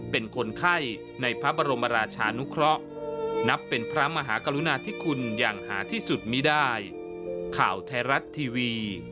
เป็นคนไข้ในพระบรมราชานุเคราะห์นับเป็นพระมหากรุณาธิคุณอย่างหาที่สุดมีได้ข่าวไทยรัฐทีวี